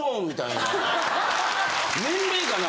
年齢かな？